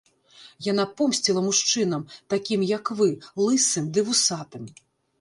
Яна помсціла мужчынам, такім, як вы, лысым ды вусатым.